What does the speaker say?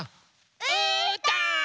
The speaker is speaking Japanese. うーたん！